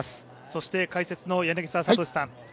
そして解説の柳澤哲さん。